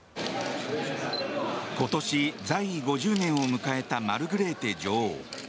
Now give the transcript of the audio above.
今年在位５０年を迎えたマルグレーテ女王。